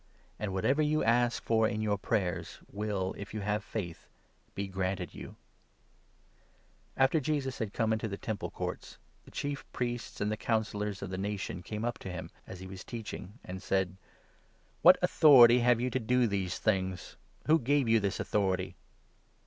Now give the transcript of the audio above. And what 22 ever you ask for in your prayers will, if you have faith, be granted you." Jesus After Jesus had come into the Temple Courts, 23 and the the Chief Priests and the Councillors of the Nation chief Priests, came up to him as he was teaching, and said :" What authority have you to do these things ? Who gave you this authority